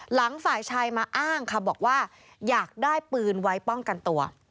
ฝ่ายชายมาอ้างค่ะบอกว่าอยากได้ปืนไว้ป้องกันตัว